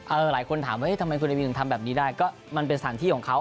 หลายคนถามว่าทำไมคุณอาวินถึงทำแบบนี้ได้ก็มันเป็นสถานที่ของเขา